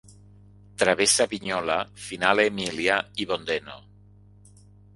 Travessa Vignola, Finale Emilia i Bondeno.